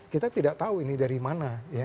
kita tidak tahu ini dari mana